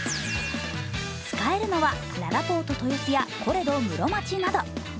使えるのは、ららぽーと豊洲やコレド室町など。